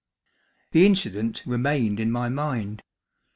The incident remained in my mind.